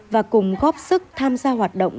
và cùng góp sức tham gia hoạt động